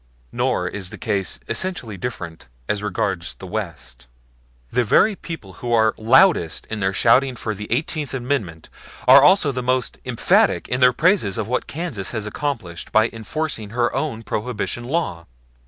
Nor is the case essentially different as regards the West; the very people who are loudest in their shouting for the Eighteenth Amendment are also most emphatic in their praises of what Kansas accomplished by enforcing her own Prohibition law.